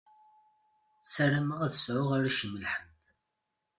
Sarameɣ ad sɛuɣ arrac imelḥanen.